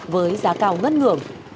với giá cao ngất ngưỡng